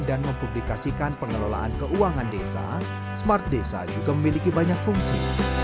dan pengelolaan keuangan desa smart desa juga memiliki banyak fungsi